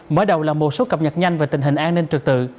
mở đầu là một số cập nhật nhanh về tình hình an ninh trực tự